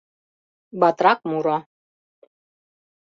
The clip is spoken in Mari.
Батрак муро